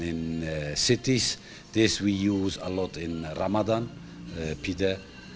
dan di kota ini kita gunakan banyak di ramadan pide